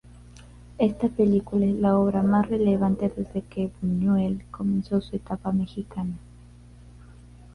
Esta película es la obra más relevante desde que Buñuel comenzó su etapa mexicana.